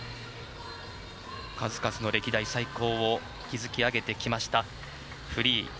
数々の歴代最高を築き上げてきましたフリー。